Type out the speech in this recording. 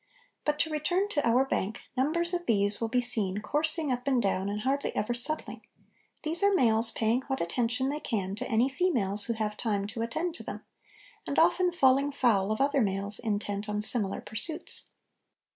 But to return to our bank, numbers of bees will be seen coursing up and down and hardly ever settling; these are males paying what attention they can to any females who have time to attend to them, and often falling foul of other males intent on similar pursuits.